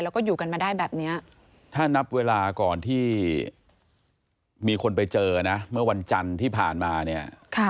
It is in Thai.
แล้วก็อยู่กันมาได้แบบนี้ถ้านับเวลาก่อนที่มีคนไปเจอนะเมื่อวันจันทร์ที่ผ่านมาเนี่ย